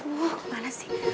wuhh kemana sih